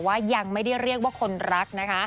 ว่ายังไม่ได้เรียกว่าคนรักนะคะ